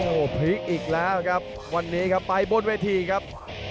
โอ้โหพลิกอีกแล้วครับวันนี้ครับไปบนเวทีครับ